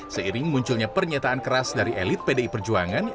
seiring munculnya pernyataan keras dari elit pdi perjuangan